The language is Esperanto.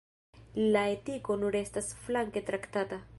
La etiko nur estas flanke traktata.